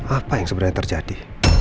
apa yang sebenarnya terjadi